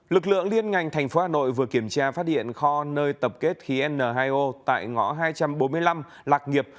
lực lượng liên ngành tp hà nội vừa kiểm tra phát hiện kho nơi tập kết khí n hai o tại ngõ hai trăm bốn mươi năm lạc nghiệp